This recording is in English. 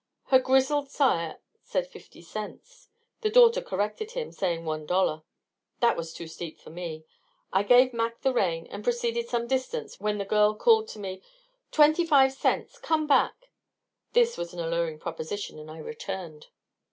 Her grizzled sire said fifty cents; the daughter corrected him, saying one dollar. That was too steep for me. I gave Mac the rein and proceeded some distance when the girl called to me, "Twenty five cents! Come back!" This was an alluring proposition, and I returned.